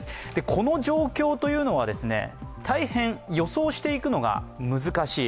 この状況というのは、大変予想していくのが難しい。